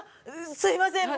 すみません。